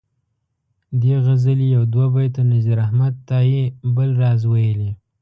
دې غزلي یو دوه بیته نذیر احمد تائي بل راز ویلي.